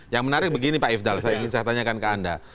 yang menarik begini pak ifdal saya ingin saya tanyakan ke anda